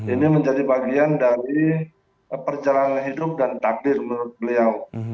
ini menjadi bagian dari perjalanan hidup dan takdir menurut beliau